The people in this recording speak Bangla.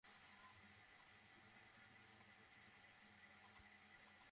তবে সেটি কোনোভাবেই শিশুদের খোলা জায়গা দখল করে নয়, জনবহুল এলাকায় নয়।